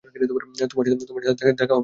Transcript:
তোমার সাথে আর দেখা হবে কি-না জানি না।